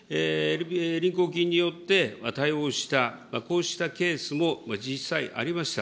臨交金によって対応した、こうしたケースも実際ありました。